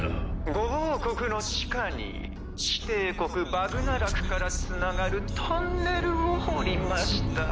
「５王国の地下に地帝国バグナラクから繋がるトンネルを掘りました」